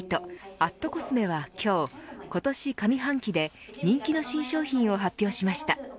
アットコスメは今日今年上半期で人気の新商品を発表しました。